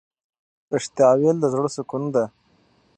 ریښتیا ویل د زړه سکون دی.